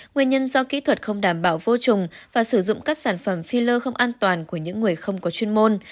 nguyên nhân do kỹ thuật không đảm bảo vô trùng và sử dụng các sản phẩm phil không an toàn của những người không có chuyên môn